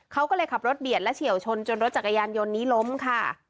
เขาก็เลยขับรถเบียดและเฉียวชนจนรถจักรยานยนต์นี้ล้มค่ะ